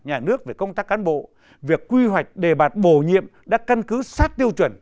nhà nước về công tác cán bộ việc quy hoạch đề bạt bổ nhiệm đã căn cứ sát tiêu chuẩn